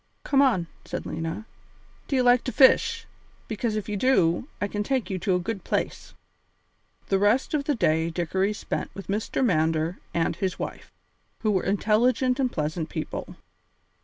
"Come on," said Lena, "do you like to fish! Because if you do, I can take you to a good place." The rest of the day Dickory spent with Mr. Mander and his wife, who were intelligent and pleasant people.